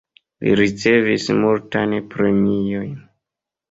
Li ricevis multajn premiojn.